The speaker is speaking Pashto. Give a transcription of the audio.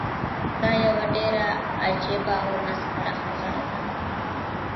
دا یوه ډیره عجیبه او مسخره خبره ده.